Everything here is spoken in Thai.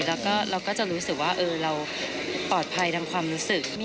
แล้วก็เราก็จะรู้สึกว่าเราปลอดภัยดังความรู้สึก